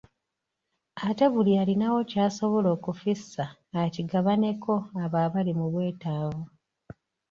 Ate buli alinawo ky'asobola okufissa akigabireko abo abali mu bwetaavu.